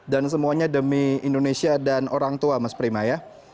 dan semuanya demi indonesia dan orang tua mas prima ya